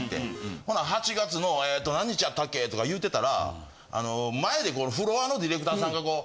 ほんなら「８月のええっと何日やったっけ？」とか言うてたら前でフロアのディレクターさんがこう。